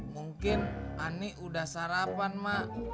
mungkin ani udah sarapan mak